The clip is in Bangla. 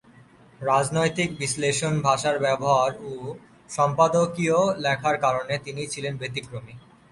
রাজনৈতিক বিশ্লেষন, ভাষার ব্যবহার ও সম্পাদকীয় লেখার কারণে তিনি ছিলেন ব্যতিক্রমী।